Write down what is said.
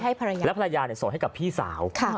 แล้วภรรยาส่งให้กับพี่สาว